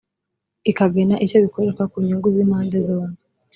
ikagena icyo bikoreshwa ku nyungu z impande zombi